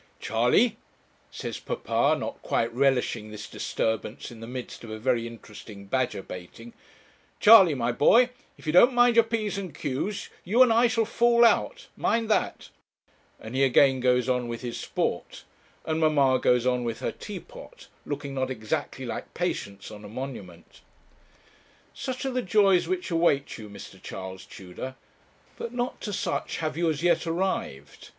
'Charley,' says papa, not quite relishing this disturbance in the midst of a very interesting badger baiting 'Charley, my boy, if you don't mind your P's and Q's, you and I shall fall out; mind that;' and he again goes on with his sport; and mamma goes on with her teapot, looking not exactly like Patience on a monument. Such are the joys which await you, Mr. Charles Tudor; but not to such have you as yet arrived.